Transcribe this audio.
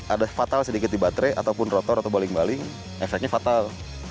ada fatal sedikit di baterai ataupun rotor atau baling baling efeknya fatal